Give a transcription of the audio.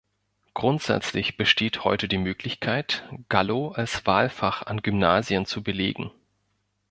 Grundsätzlich besteht heute die Möglichkeit, Gallo als Wahlfach an Gymnasien zu belegen.